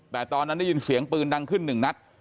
แต่ตอนนั้นได้ยินเสียงปืนดังขึ้นหนึ่งนัด